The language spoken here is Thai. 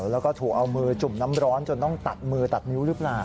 แล้วก็ถูกเอามือจุ่มน้ำร้อนจนต้องตัดมือตัดนิ้วหรือเปล่า